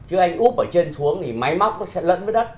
chứ anh úp ở trên xuống thì máy móc nó sẽ lẫn với đất